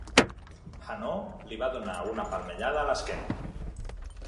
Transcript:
Hanaud li va donar una palmellada a l'esquena.